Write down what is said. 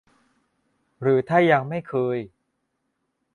หรือถ้ายังไม่เคย